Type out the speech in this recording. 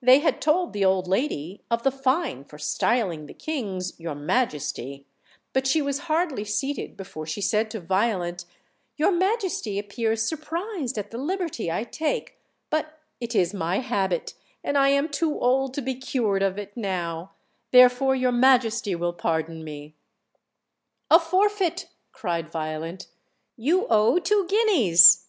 They had told the old lady of the fine for styling the kings "your majesty," but she was hardly seated before she said to Violent, "Your majesty appears surprised at the liberty I take, but it is my habit, and I am too old to be cured of it now; therefore your majesty will pardon me." "A forfeit!" cried Violent. "You owe two guineas."